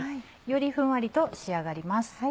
よりふんわりと仕上がります。